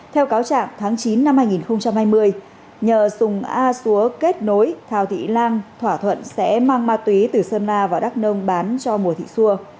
theo cáo trạng tháng chín năm hai nghìn hai mươi nhờ sùng a xúa kết nối thảo thị lan thỏa thuận sẽ mang ma túy từ sơn la vào đắk nông bán cho mùa thị xua